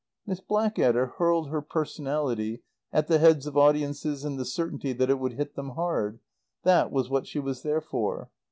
Miss Blackadder hurled her personality at the heads of audiences in the certainty that it would hit them hard. That was what she was there for.